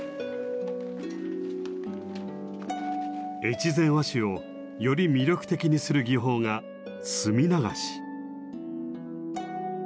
越前和紙をより魅力的にする技法が「墨流し」。